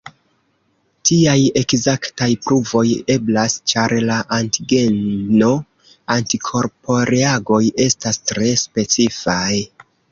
Tiaj ekzaktaj pruvoj eblas, ĉar la antigeno-antikorporeagoj estas tre specifaj.